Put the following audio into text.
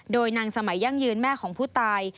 โดยนางสมัยยั่งยืนแม่ของผู้ตาย